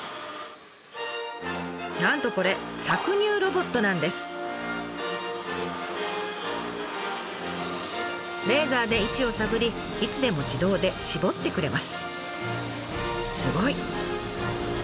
なんとこれレーザーで位置を探りいつでも自動で搾ってくれます。